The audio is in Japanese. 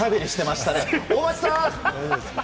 大町さん。